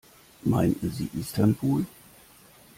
Meinten Sie Istanbul?